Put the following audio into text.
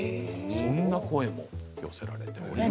そんな声も寄せられております。